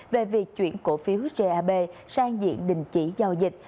về việc chuyển cổ phiếu gap sang diện đình chỉ giao dịch